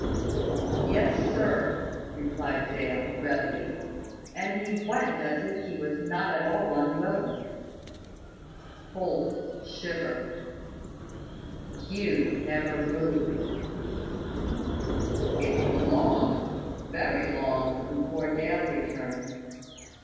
"Yes, sir," replied Dale, readily; and he went as if he was not at all unwilling. Holt shivered. Hugh never moved. It was long, very long, before Dale returned.